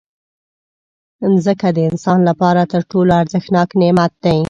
مځکه د انسان لپاره تر ټولو ارزښتناک نعمت دی.